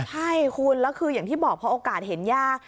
ใช่คุณแล้วคืออย่างที่บอกพอโอกาสเห็นยาก